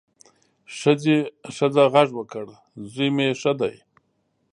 ښځه غږ وکړ، زوی مې ښه دی.